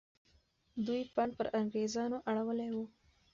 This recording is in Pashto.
دوی پاڼ پر انګریزانو اړولی وو.